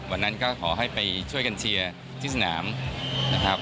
วันนั้นก็ขอให้ไปช่วยกันเชียร์ที่สนามนะครับ